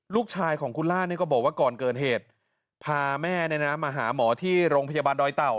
ลูกชายของคุณล่านี่ก็บอกว่าก่อนเกิดเหตุพาแม่มาหาหมอที่โรงพยาบาลดอยเต่า